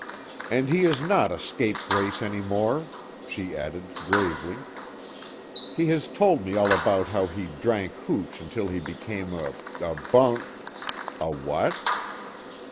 And he is not a scapegrace any more," she added, gravely, "He has told me all about how he drank hooch until he became a a bun " "A what?"